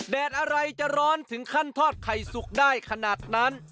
อะไรจะร้อนถึงขั้นทอดไข่สุกได้ขนาดนั้น